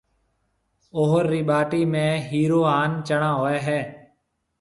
اوھر رِي ٻاٽِي ۾ ھيَََِرو ھان چڻاھوئي ھيََََ